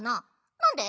なんで？